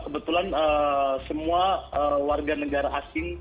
kebetulan semua warga negara asing